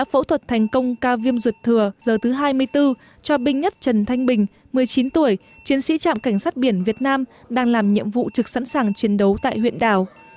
phẫu thuật thành công ca viêm ruột thừa giờ thứ hai mươi bốn cho binh nhất trần thanh bình một mươi chín tuổi chiến sĩ trạm cảnh sát biển việt nam đang làm nhiệm vụ trực sẵn sàng chiến đấu tại huyện đảo